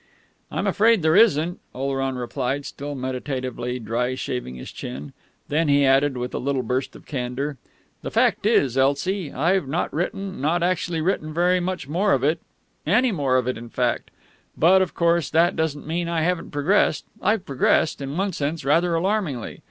"I'm afraid there isn't," Oleron replied, still meditatively dry shaving his chin. Then he added, with a little burst of candour, "The fact is, Elsie, I've not written not actually written very much more of it any more of it, in fact. But, of course, that doesn't mean I haven't progressed. I've progressed, in one sense, rather alarmingly.